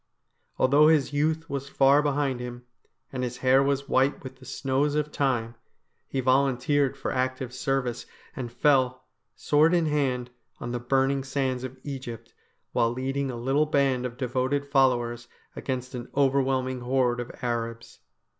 Although his youth was far behind him, and his hair was white with the snows of time, he volunteered for active service, and fell, sword in hand, on the burning sands of Egypt, while leading a little band of devoted followers against an overwhelming horde of Arabs.